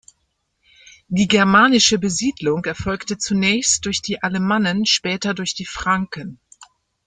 Die germanische Besiedlung erfolgte zunächst durch die Alemannen, später durch die Franken.